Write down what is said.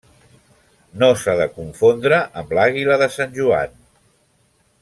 No s'ha de confondre amb l'àguila de Sant Joan.